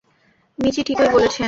মিচি ঠিকই বলেছেল।